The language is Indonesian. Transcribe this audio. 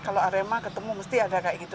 kalau arema ketemu mesti ada kayak gitu